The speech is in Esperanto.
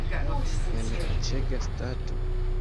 En aĉega stato!